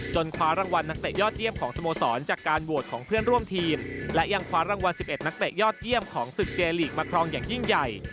คว้ารางวัลนักเตะยอดเยี่ยมของสโมสรจากการโหวตของเพื่อนร่วมทีมและยังคว้ารางวัล๑๑นักเตะยอดเยี่ยมของศึกเจลีกมาครองอย่างยิ่งใหญ่